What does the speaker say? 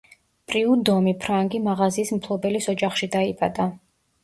პრიუდომი ფრანგი მაღაზიის მფლობელის ოჯახში დაიბადა.